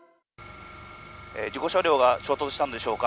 事故車両が衝突したんでしょうか。